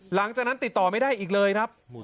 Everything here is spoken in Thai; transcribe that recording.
หลังจากนั้นติดต่อไม่ได้อีกเลยครับ